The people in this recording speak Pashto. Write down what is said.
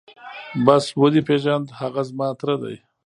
بس ودې پېژاند هغه زما تره دى.